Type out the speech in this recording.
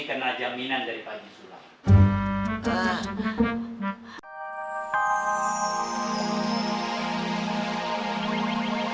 kena jaminan dari pak haji sulam